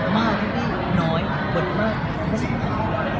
มากน้อยบทมากไม่สำคัญ